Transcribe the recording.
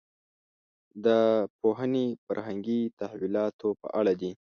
دا پوهنې فرهنګي تحولاتو په اړه دي.